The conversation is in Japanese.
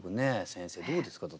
先生どうですか？